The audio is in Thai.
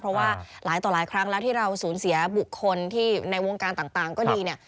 เพราะว่าหลายต่อหลายครั้งแล้วที่เราสูญเสียบุคคลที่ในวงการต่างก็ดีเนี่ย